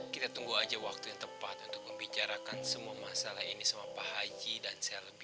kita tunggu aja waktu yang tepat untuk membicarakan semua masalah ini sama pak haji dan saya lebih